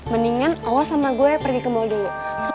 mendingan allah sama gue pergi ke mall dulu